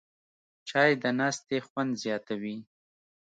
چای د ناستې خوند زیاتوي